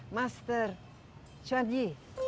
master xiang yi